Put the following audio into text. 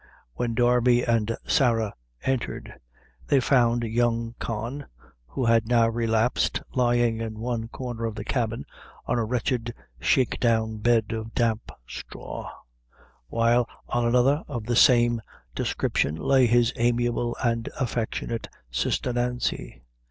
When Darby and Sarah entered, they found young Con, who had now relapsed, lying in one corner of the cabin, on a wretched shake down bed of damp straw; while on another of the same description lay his amiable and affectionate sister Nancy.